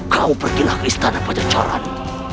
kamu pergilah ke istana pajacaran